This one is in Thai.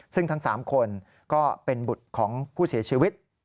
ซึ่งทั้ง๓คนก็เป็นบุตรของผู้เสียชีวิต